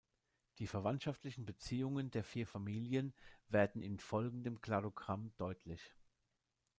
Die verwandtschaftlichen Beziehungen der vier Familien werden in folgendem Kladogramm deutlich.